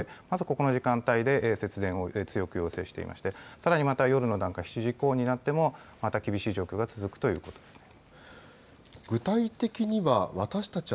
まずこの時間帯で節電を強く要請していましてさらに夜の段階、７時以降になってもまだ厳しい状況が続くということです。